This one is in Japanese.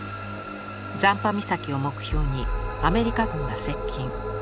残波岬を目標にアメリカ軍が接近。